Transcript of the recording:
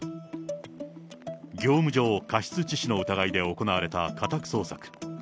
業務上過失致死の疑いで行われた家宅捜索。